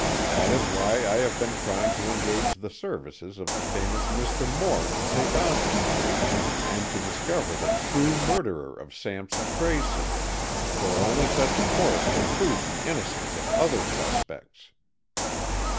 That is why I have been trying to engage the services of the famous Mr. Moore to take on this case, and to discover the true murderer of Sampson Tracy, for only such a course will prove the innocence of other suspects."